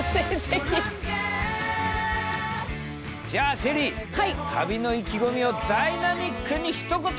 じゃあＳＨＥＬＬＹ旅の意気込みをダイナミックにひと言！